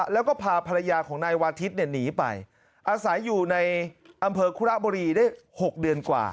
แล้วก็พาภรรยาของนายวาทิศหนีไปอาศัยอยู่ในอำเภอคุระบุรีได้๖เดือนกว่า